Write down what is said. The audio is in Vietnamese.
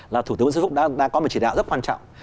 là thủ tướng nguyễn sơn phúc đang có một chỉ đạo rất quan trọng